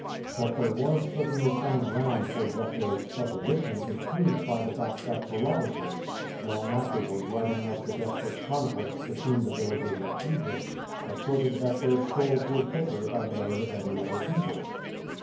That there was certainly some ground for Jethro's supposition is proved by the fact that Herodotus, long afterward writing of the desperate conflicts between the villagers of Egypt, asserted that their skulls were thicker than those of any other people.